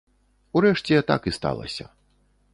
Урэшце, так і сталася.